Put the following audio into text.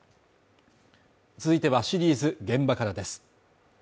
続いてはシリーズ「現場から」です。